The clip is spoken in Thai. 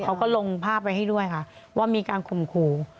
เขาก็ลงภาพให้ด้วยค่ะว่ามีการคุมครู